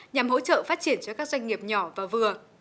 nhằm hỗ trợ phát triển cho các doanh nghiệp nhỏ và vừa